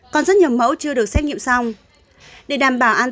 còn rất nhiều mẫu chưa được xét nghiệm xong